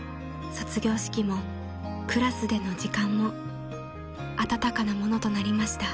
［卒業式もクラスでの時間も温かなものとなりました］